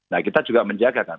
nah kita juga menjaga kan